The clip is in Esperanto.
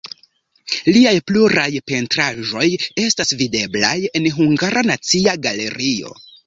Liaj pluraj pentraĵoj estas videblaj en Hungara Nacia Galerio.